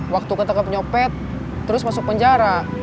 waktu kentang ke penyopet terus masuk penjara